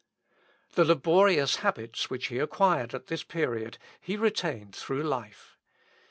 The laborious habits which he acquired at this period he retained through life.